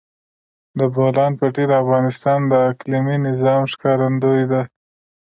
د بولان پټي د افغانستان د اقلیمي نظام ښکارندوی ده.